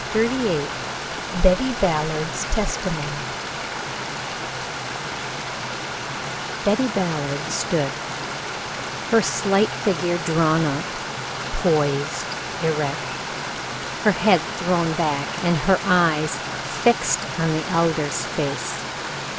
CHAPTER XXXVIII BETTY BALLARD'S TESTIMONY Betty Ballard stood, her slight figure drawn up, poised, erect, her head thrown back, and her eyes fixed on the Elder's face.